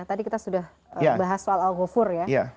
tadi kita sudah bahas soal al ghafur ya